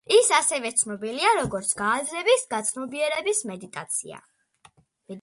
ის ასევე ცნობილია, როგორც გააზრების, გაცნობიერების მედიტაცია.